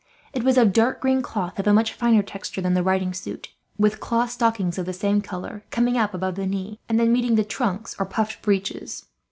It was of dark green cloth of a much finer texture than the riding suit; with cloth stockings of the same colour, coming up above the knee, and then meeting the trunks or puffed breeches.